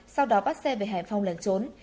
sau đó bắt xe về hải phòng lần trốn